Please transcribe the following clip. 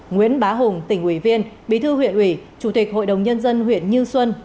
nguyễn bá hùng tỉnh ủy viên bí thư huyện ủy chủ tịch hội đồng nhân dân huyện như xuân